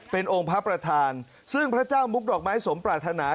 เป็นองค์พระประธานซึ่งพระเจ้ามุกดอกไม้สมปรารถนา